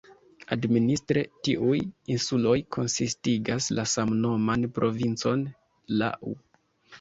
Administre tiuj insuloj konsistigas la samnoman provincon "Lau".